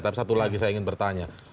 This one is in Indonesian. tapi satu lagi saya ingin bertanya